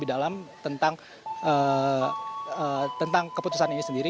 hal terkeputusan ini sendiri